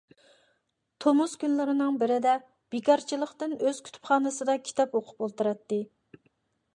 تومۇز كۈنلىرىنىڭ بىرىدە، بىكارچىلىقتىن ئۆز كۇتۇپخانىسىدا كىتاب ئوقۇپ ئولتۇراتتى.